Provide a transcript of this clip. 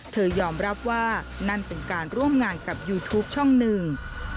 ยอมรับว่านั่นเป็นการร่วมงานกับยูทูปช่องหนึ่ง